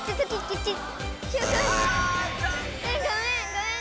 ごめん！